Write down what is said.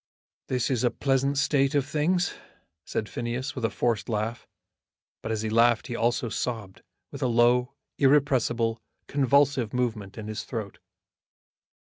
"This is a pleasant state of things," said Phineas, with a forced laugh. But as he laughed he also sobbed, with a low, irrepressible, convulsive movement in his throat.